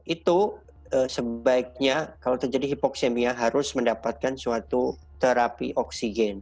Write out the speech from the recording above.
itu sebaiknya kalau terjadi hipoksemia harus mendapatkan suatu terapi oksigen